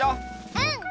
うん！